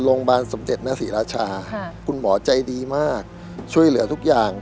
โรงพยาบาลสมเด็จนศรีราชาคุณหมอใจดีมากช่วยเหลือทุกอย่าง